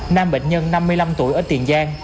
nam bệnh nhân năm mươi năm tuổi ở tiền giang